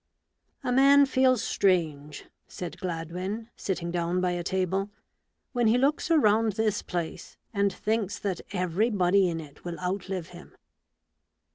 " A man feels strange," said Gladwin, sitting down by a table, " when he looks around this place and thinks that everybody in it will outlive him."